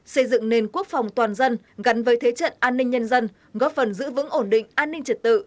xây dựng nền quốc phòng toàn dân gắn với thế trận an ninh nhân dân góp phần giữ vững ổn định an ninh trật tự